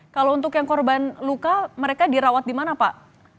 kalau untuk yang korban luka mereka dirawat di mana pak